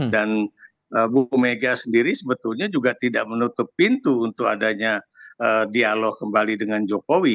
dan ibu megawati sendiri sebetulnya juga tidak menutup pintu untuk adanya dialog kembali dengan jokowi